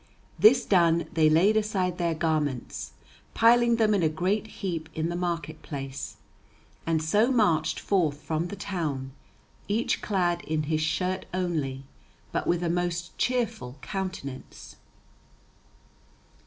This done, they laid aside their garments, piling them in a great heap in the market place, and so marched forth from the town, each clad in his shirt only, but with a most cheerful contenance.